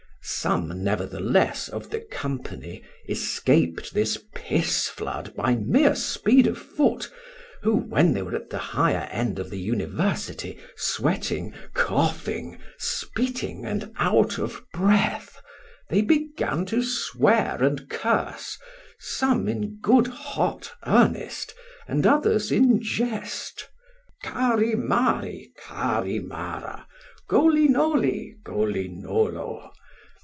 Some, nevertheless, of the company escaped this piss flood by mere speed of foot, who, when they were at the higher end of the university, sweating, coughing, spitting, and out of breath, they began to swear and curse, some in good hot earnest, and others in jest. Carimari, carimara: golynoly, golynolo.